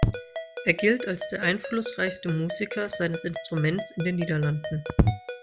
Er gilt als der einflussreichste Musiker seines Instruments in den Niederlanden.